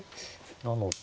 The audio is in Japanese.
なので。